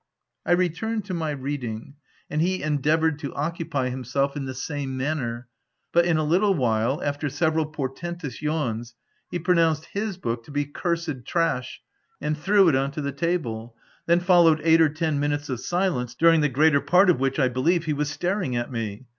I returned to my reading; and he endea SO THE TENANT voured to occupy himself in the same manner; but, in a little while, after several portentous yawns, he pronounced his book to be " cursed trash, " and threw it on to the table. Then followed eight or ten minutes of silence, during the greater part of which, I believe, he was staring at me.